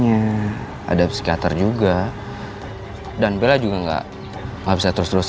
iya kan ada papanya ada psikiater juga dan bella juga nggak mau bisa terus terusan